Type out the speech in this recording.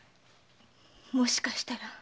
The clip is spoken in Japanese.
もしかしたら。